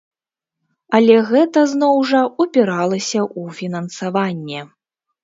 Але гэта, зноў жа, упіралася ў фінансаванне.